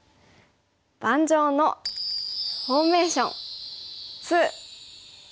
「盤上のフォーメーション２」。